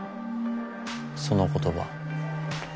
その言葉。